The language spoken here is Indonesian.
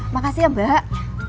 makasih ya mbak